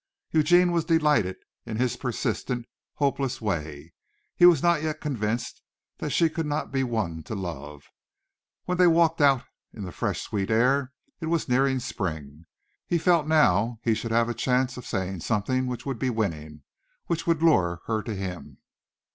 Eugene was delighted in his persistent, hopeless way. He was not yet convinced that she could not be won to love. When they walked out in the fresh sweet air it was nearing spring he felt that now he should have a chance of saying something which would be winning which would lure her to him.